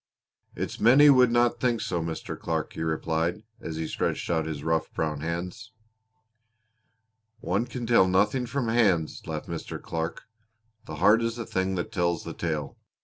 "It's many would not think so, Mr. Clark," he replied, as he stretched out his rough, brown hands. "One can tell nothing from hands," laughed Mr. Clark. "The heart is the thing that tells the tale.